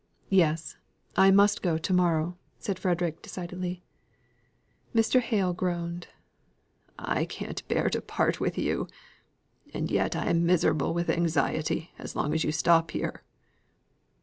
"Yes; I must go to morrow," said Frederick, decidedly. Mr. Hale groaned. "I can't bear to part with you, and yet I am miserable with anxiety as long as you stop here."